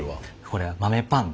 これは豆パン。